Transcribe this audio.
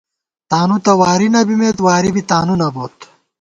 تانُو تہ واری نہ بِمېت واری بی تانُو نہ بوت